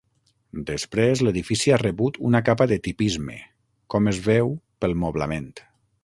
Després l'edifici ha rebut una capa de tipisme, com es veu pel moblament.